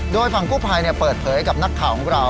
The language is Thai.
โดยฝั่งกู้ภัยเปิดเผยกับนักข่าวของเรา